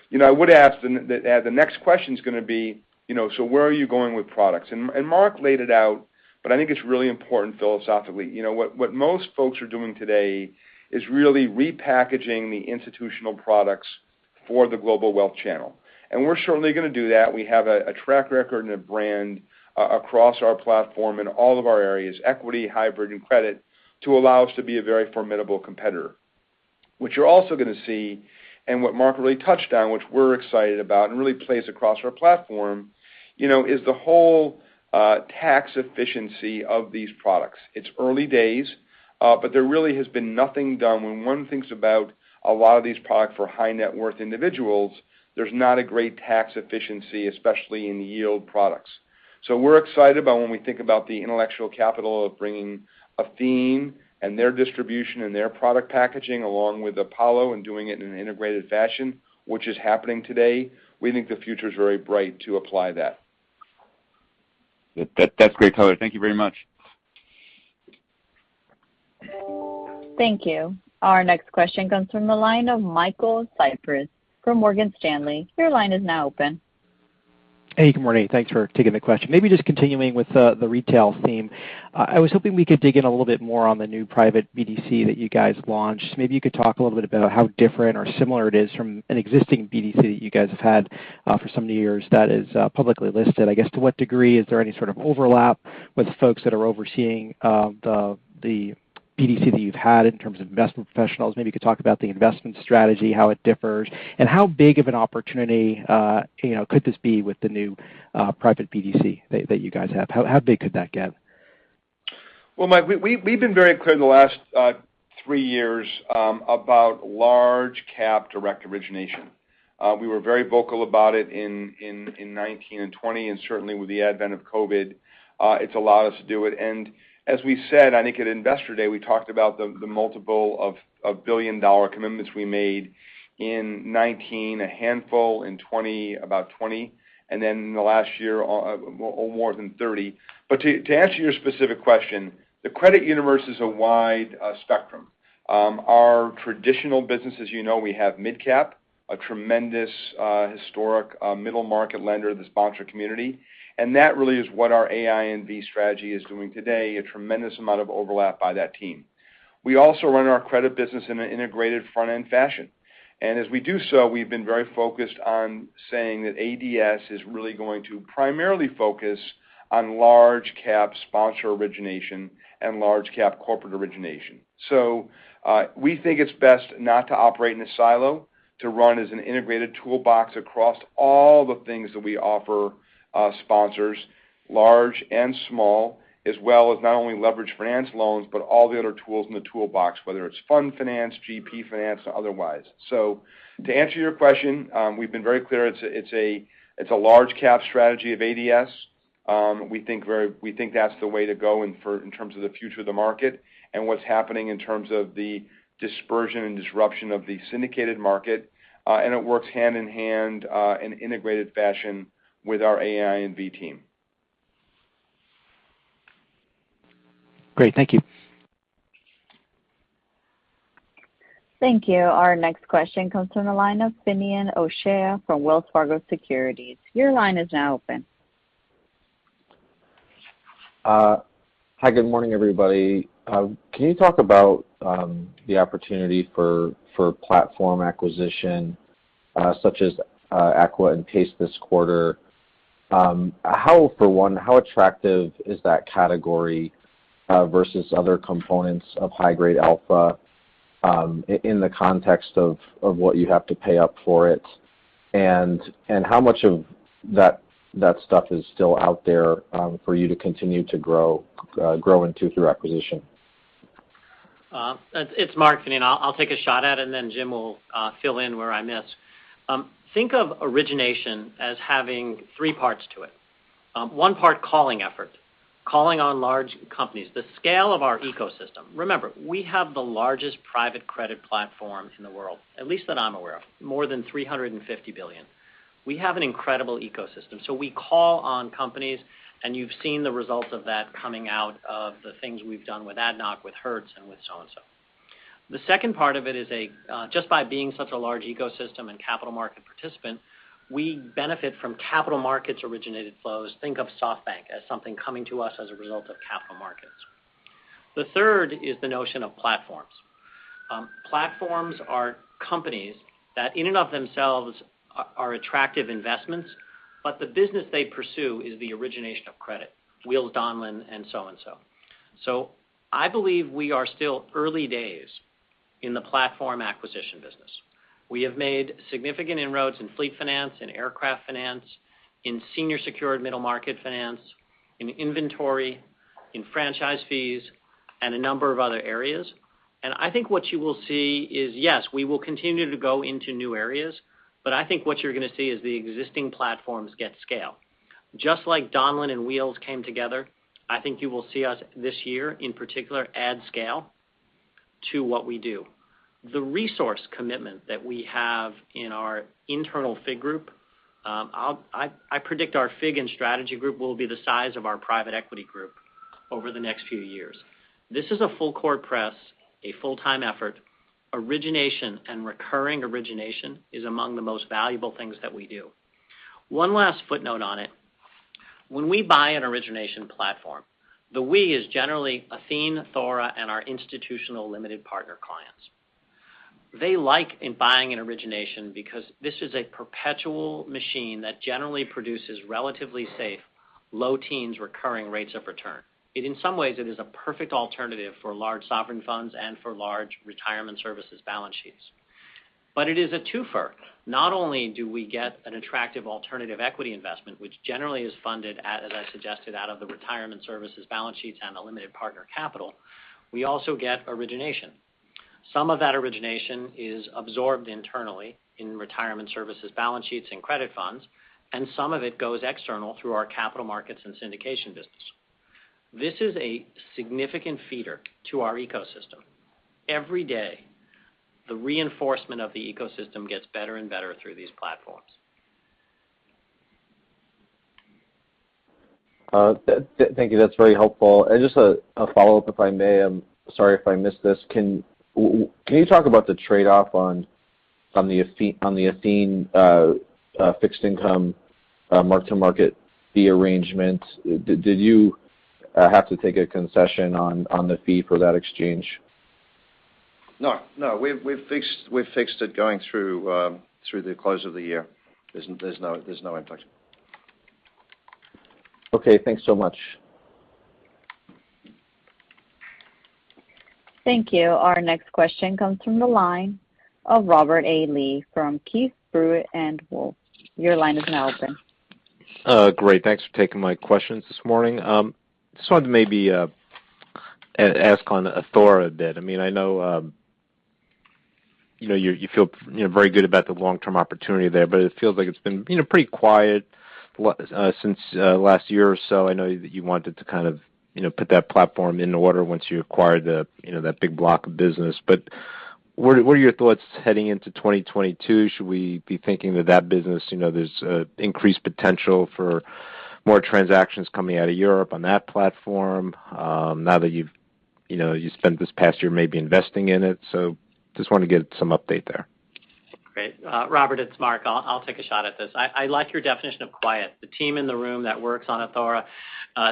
You know, I would ask. The next question is gonna be, you know: So where are you going with products? And Marc laid it out, but I think it's really important philosophically. You know, what most folks are doing today is really repackaging the institutional products for the global wealth channel. We're surely gonna do that. We have a track record and a brand across our platform in all of our areas, equity, hybrid, and credit, to allow us to be a very formidable competitor. What you're also gonna see, and what Marc really touched on, which we're excited about and really plays across our platform, you know, is the whole tax efficiency of these products. It's early days, but there really has been nothing done. When one thinks about a lot of these products for high net worth individuals, there's not a great tax efficiency, especially in yield products. We're excited about when we think about the intellectual capital of bringing Athene and their distribution and their product packaging, along with Apollo and doing it in an integrated fashion, which is happening today. We think the future is very bright to apply that. That's great color. Thank you very much. Thank you. Our next question comes from the line of Michael Cyprys from Morgan Stanley. Your line is now open. Hey, good morning. Thanks for taking the question. Maybe just continuing with the retail theme. I was hoping we could dig in a little bit more on the new private BDC that you guys launched. Maybe you could talk a little bit about how different or similar it is from an existing BDC that you guys have had for so many years that is publicly listed. I guess, to what degree is there any sort of overlap with the folks that are overseeing the BDC that you've had in terms of investment professionals? Maybe you could talk about the investment strategy, how it differs, and how big of an opportunity you know could this be with the new private BDC that you guys have? How big could that get? Well, Mike, we've been very clear in the last three years about large cap direct origination. We were very vocal about it in 2019 and 2020, and certainly with the advent of COVID, it's allowed us to do it. As we said, I think at Investor Day, we talked about the multiple of billion-dollar commitments we made in 2019, a handful in 2020, about 20, and then in the last year, well, more than 30. To answer your specific question, the credit universe is a wide spectrum. Our traditional business, as you know, we have midcap, a tremendous historic middle market lender in the sponsor community. That really is what our AINV strategy is doing today, a tremendous amount of overlap by that team. We also run our credit business in an integrated front-end fashion. As we do so, we've been very focused on saying that ADS is really going to primarily focus on large cap sponsor origination and large cap corporate origination. We think it's best not to operate in a silo, to run as an integrated toolbox across all the things that we offer, sponsors, large and small, as well as not only leverage finance loans, but all the other tools in the toolbox, whether it's fund finance, GP finance, or otherwise. To answer your question, we've been very clear it's a large cap strategy of ADS. We think that's the way to go in terms of the future of the market and what's happening in terms of the dispersion and disruption of the syndicated market. It works hand-in-hand in integrated fashion with our AI and V team. Great. Thank you. Thank you. Our next question comes from the line of Finian O'Shea from Wells Fargo Securities. Your line is now open. Hi, good morning, everybody. Can you talk about the opportunity for platform acquisition, such as Aqua and PACE this quarter? For one, how attractive is that category versus other components of high-grade alpha in the context of what you have to pay up for it? How much of that stuff is still out there for you to continue to grow into through acquisition? It's Marc, Finian. I'll take a shot at it, and then Jim will fill in where I miss. Think of origination as having three parts to it. One part calling effort, calling on large companies. The scale of our ecosystem. Remember, we have the largest private credit platform in the world, at least that I'm aware of, more than $350 billion. We have an incredible ecosystem. So we call on companies, and you've seen the results of that coming out of the things we've done with ADNOC, with Hertz, and with so and so. The second part of it is just by being such a large ecosystem and capital market participant, we benefit from capital markets originated flows. Think of SoftBank as something coming to us as a result of capital markets. The third is the notion of platforms. Platforms are companies that in and of themselves are attractive investments, but the business they pursue is the origination of credit, Wheels Donlen and so on. I believe we are still early days in the platform acquisition business. We have made significant inroads in fleet finance, in aircraft finance, in senior secured middle market finance, in inventory in franchise fees and a number of other areas. I think what you will see is, yes, we will continue to go into new areas, but I think what you're gonna see is the existing platforms get scale. Just like Donlen and Wheels came together, I think you will see us this year, in particular, add scale to what we do. The resource commitment that we have in our internal FIG group, I predict our FIG and strategy group will be the size of our private equity group over the next few years. This is a full court press, a full-time effort. Origination and recurring origination is among the most valuable things that we do. One last footnote on it. When we buy an origination platform, the we is generally Athene, Athora, and our institutional limited partner clients. They like buying an origination because this is a perpetual machine that generally produces relatively safe, low teens recurring rates of return. In some ways, it is a perfect alternative for large sovereign funds and for large retirement services balance sheets. It is a twofer. Not only do we get an attractive alternative equity investment, which generally is funded as I suggested, out of the retirement services balance sheets and the limited partner capital, we also get origination. Some of that origination is absorbed internally in retirement services balance sheets and credit funds, and some of it goes external through our capital markets and syndication business. This is a significant feeder to our ecosystem. Every day, the reinforcement of the ecosystem gets better and better through these platforms. Thank you. That's very helpful. Just a follow-up, if I may. I'm sorry if I missed this. Can you talk about the trade-off on the Athene fixed income mark-to-market fee arrangement? Did you have to take a concession on the fee for that exchange? No. We've fixed it going through the close of the year. There's no impact. Okay. Thanks so much. Thank you. Our next question comes from the line of Robert A. Lee from Keefe, Bruyette & Woods. Your line is now open. Great. Thanks for taking my questions this morning. Just wanted to maybe ask on Athora a bit. I mean, I know you know, you feel very good about the long-term opportunity there, but it feels like it's been you know, pretty quiet since last year or so. I know that you wanted to kind of you know, put that platform in order once you acquired that big block of business. What are your thoughts heading into 2022? Should we be thinking that that business you know, there's increased potential for more transactions coming out of Europe on that platform now that you've you know, you spent this past year maybe investing in it? Just wanna get some update there. Great. Robert, it's Marc. I'll take a shot at this. I like your definition of quiet. The team in the room that works on Athora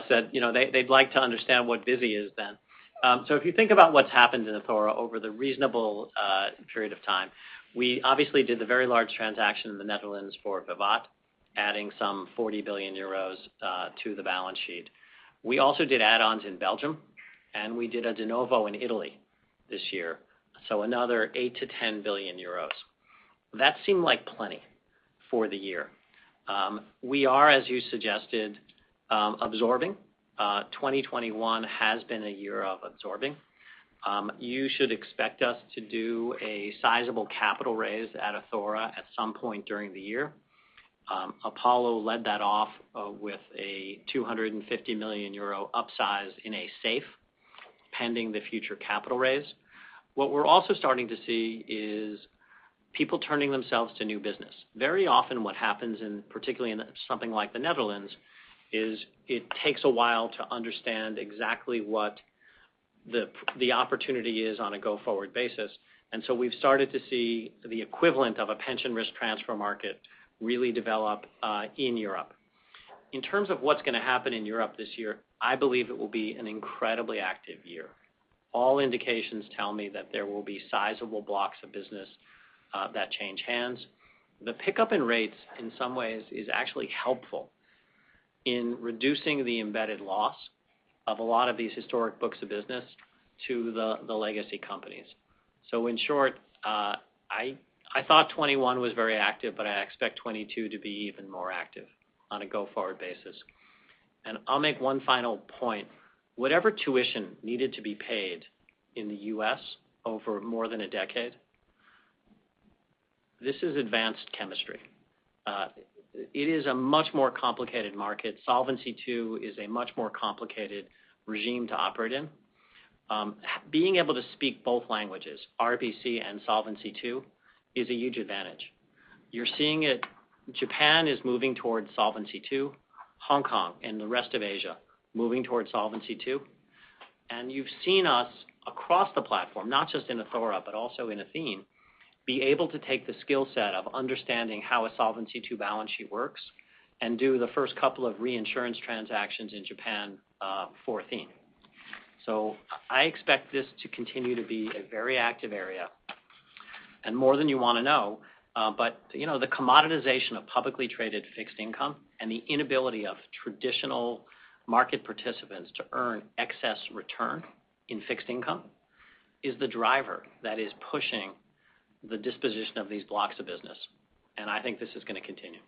said, you know, they'd like to understand what busy is then. If you think about what's happened in Athora over the reasonable period of time, we obviously did the very large transaction in the Netherlands for VIVAT, adding some 40 billion euros to the balance sheet. We also did add-ons in Belgium, and we did a de novo in Italy this year, another 8 billion-10 billion euros. That seemed like plenty for the year. We are, as you suggested, absorbing. 2021 has been a year of absorbing. You should expect us to do a sizable capital raise at Athora at some point during the year. Apollo led that off with a 250 million euro upsize in a safe, pending the future capital raise. What we're also starting to see is people turning themselves to new business. Very often what happens in, particularly in something like the Netherlands, is it takes a while to understand exactly what the opportunity is on a go-forward basis. We've started to see the equivalent of a pension risk transfer market really develop in Europe. In terms of what's gonna happen in Europe this year, I believe it will be an incredibly active year. All indications tell me that there will be sizable blocks of business that change hands. The pickup in rates, in some ways, is actually helpful in reducing the embedded loss of a lot of these historic books of business to the legacy companies. In short, I thought 2021 was very active, but I expect 2022 to be even more active on a go-forward basis. I'll make one final point. Whatever tuition needed to be paid in the U.S. over more than a decade, this is advanced chemistry. It is a much more complicated market. Solvency II is a much more complicated regime to operate in. Being able to speak both languages, RBC and Solvency II, is a huge advantage. You're seeing it, Japan is moving towards Solvency II, Hong Kong and the rest of Asia moving towards Solvency II. You've seen us across the platform, not just in Athora, but also in Athene, be able to take the skill set of understanding how a Solvency II balance sheet works and do the first couple of reinsurance transactions in Japan for Athene. I expect this to continue to be a very active area. More than you want to know, but, you know, the commoditization of publicly traded fixed income and the inability of traditional market participants to earn excess return in fixed income is the driver that is pushing the disposition of these blocks of business. I think this is gonna continue.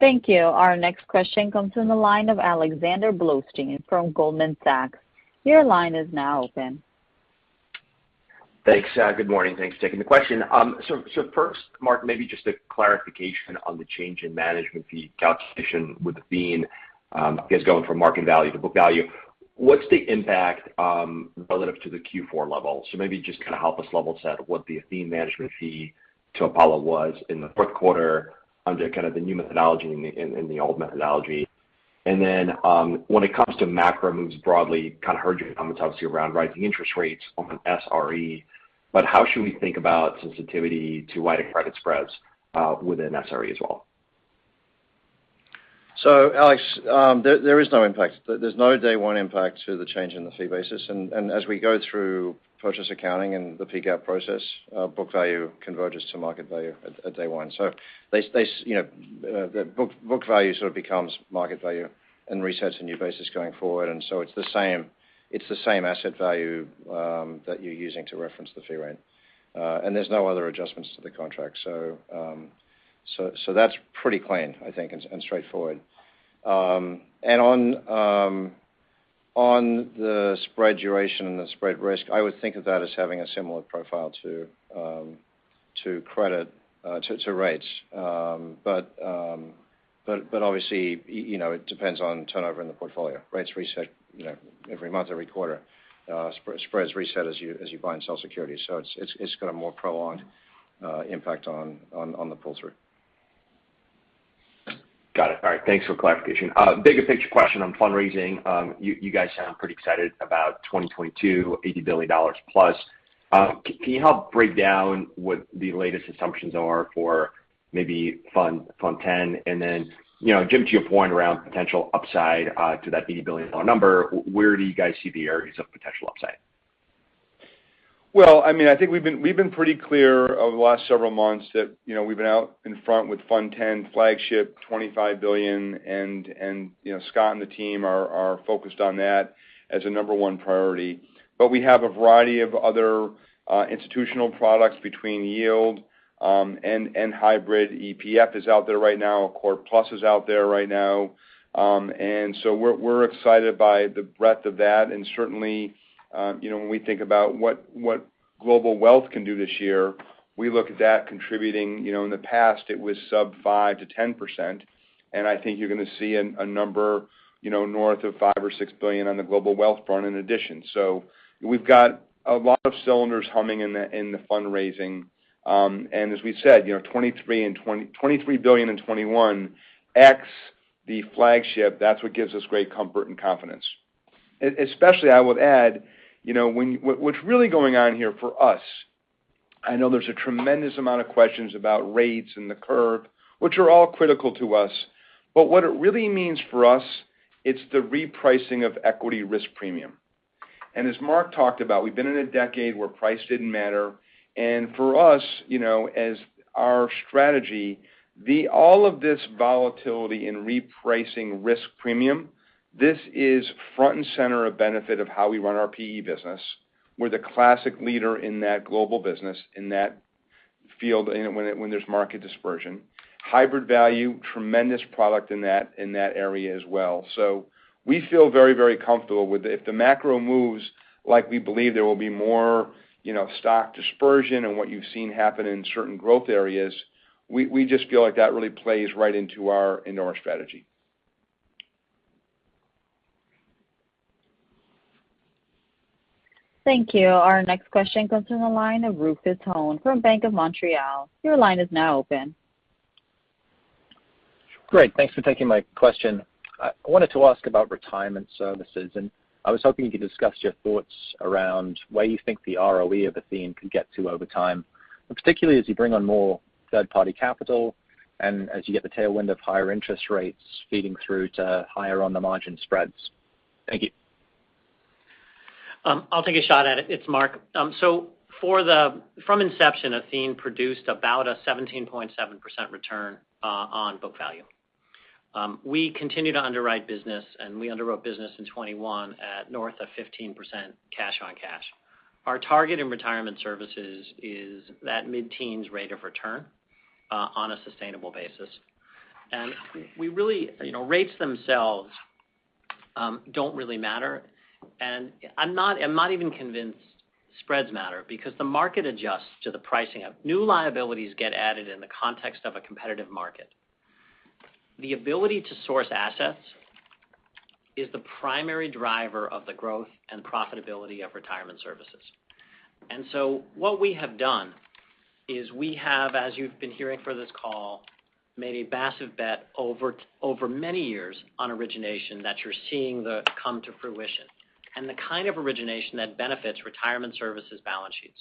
Thank you. Our next question comes from the line of Alexander Blostein from Goldman Sachs. Your line is now open. Thanks. Good morning. Thanks for taking the question. First, Marc, maybe just a clarification on the change in management fee calculation with Athene, I guess going from market value to book value. What's the impact relative to the Q4 level? Maybe just kind of help us level set what the Athene management fee to Apollo was in the fourth quarter under kind of the new methodology and the old methodology. When it comes to macro moves broadly, kind of heard you comment obviously around rising interest rates on SRE, but how should we think about sensitivity to wider credit spreads within SRE as well? Alexander, there is no impact. There's no day one impact to the change in the fee basis. As we go through purchase accounting and the peak out process, book value converges to market value at day one. The book value sort of becomes market value and resets a new basis going forward. It's the same asset value that you're using to reference the fee rate. There's no other adjustments to the contract. That's pretty clean, I think, and straightforward. On the spread duration and the spread risk, I would think of that as having a similar profile to credit to rates. Obviously, you know, it depends on turnover in the portfolio. Rates reset, you know, every month, every quarter. Spreads reset as you buy and sell securities. It's got a more prolonged impact on the pull-through. Got it. All right. Thanks for the clarification. Bigger picture question on fundraising. You guys sound pretty excited about 2022, $80 billion+. Can you help break down what the latest assumptions are for maybe fund 10? And then, you know, Jim, to your point around potential upside to that $80 billion number, where do you guys see the areas of potential upside? Well, I mean, I think we've been pretty clear over the last several months that, you know, we've been out in front with Fund X flagship $25 billion, and, you know, Scott and the team are focused on that as a number one priority. We have a variety of other institutional products between yield and hybrid. EPF is out there right now, Core Plus is out there right now. We're excited by the breadth of that. Certainly, you know, when we think about what global wealth can do this year, we look at that contributing, you know, in the past it was sub 5%-10%. I think you're gonna see a number, you know, north of $5 billion or $6 billion on the global wealth front in addition. We've got a lot of cylinders humming in the fundraising. As we said, you know, $23 billion in 21x the flagship, that's what gives us great comfort and confidence. Especially I would add, you know, what's really going on here for us, I know there's a tremendous amount of questions about rates and the curve, which are all critical to us, but what it really means for us, it's the repricing of equity risk premium. As Marc talked about, we've been in a decade where price didn't matter. For us, you know, as our strategy, all of this volatility in repricing risk premium, this is front and center a benefit of how we run our PE business. We're the classic leader in that global business, in that field when there's market dispersion. Hybrid value, tremendous product in that area as well. We feel very, very comfortable with it. If the macro moves like we believe there will be more, you know, stock dispersion and what you've seen happen in certain growth areas, we just feel like that really plays right into our strategy. Thank you. Our next question comes from the line of Rufus Hone from Bank of Montreal. Your line is now open. Great. Thanks for taking my question. I wanted to ask about retirement services, and I was hoping you could discuss your thoughts around where you think the ROE of Athene could get to over time, particularly as you bring on more third-party capital and as you get the tailwind of higher interest rates feeding through to higher on the margin spreads. Thank you. I'll take a shot at it. It's Marc. From inception, Athene produced about a 17.7% return on book value. We continue to underwrite business, and we underwrote business in 2021 at north of 15% cash on cash. Our target in retirement services is that mid-teens rate of return on a sustainable basis. We really, you know, rates themselves don't really matter. I'm not even convinced spreads matter because the market adjusts to the pricing of new liabilities get added in the context of a competitive market. The ability to source assets is the primary driver of the growth and profitability of retirement services. What we have done is we have, as you've been hearing for this call, made a massive bet over many years on origination that you're seeing come to fruition, and the kind of origination that benefits retirement services balance sheets.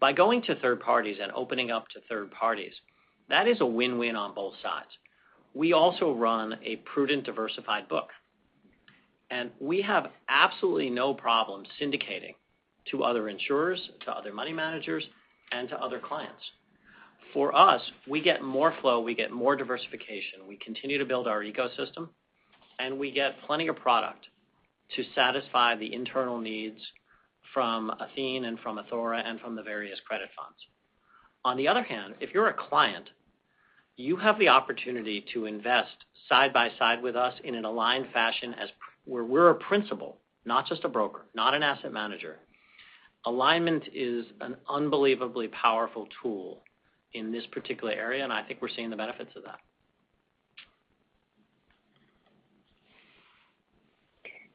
By going to third parties and opening up to third parties, that is a win-win on both sides. We also run a prudent diversified book. We have absolutely no problem syndicating to other insurers, to other money managers, and to other clients. For us, we get more flow, we get more diversification, we continue to build our ecosystem, and we get plenty of product to satisfy the internal needs from Athene and from Athora and from the various credit funds. On the other hand, if you're a client, you have the opportunity to invest side by side with us in an aligned fashion where we're a principal, not just a broker, not an asset manager. Alignment is an unbelievably powerful tool in this particular area, and I think we're seeing the benefits of that.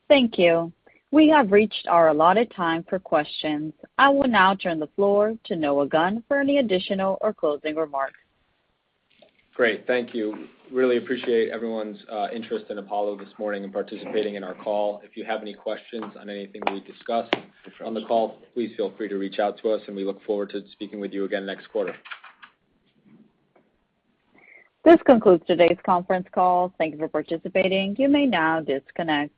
Thank you. We have reached our allotted time for questions. I will now turn the floor to Noah Gunn for any additional or closing remarks. Great. Thank you. Really appreciate everyone's interest in Apollo this morning and participating in our call. If you have any questions on anything we discussed on the call, please feel free to reach out to us, and we look forward to speaking with you again next quarter. This concludes today's conference call. Thank you for participating. You may now disconnect.